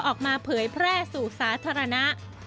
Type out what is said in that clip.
ออกมาเผยแพร่สู่สาธารณะ